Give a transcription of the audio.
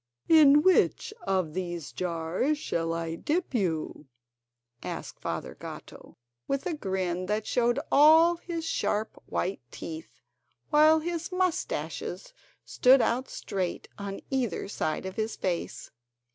"In which of these jars shall I dip you?" asked Father Gatto, with a grin that showed all his sharp white teeth, while his moustaches stood out straight on either side of his face.